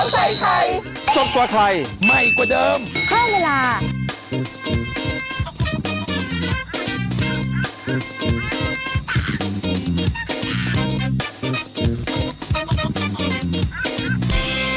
สวัสดีครับ